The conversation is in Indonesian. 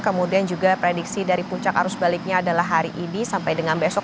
kemudian juga prediksi dari puncak arus baliknya adalah hari ini sampai dengan besok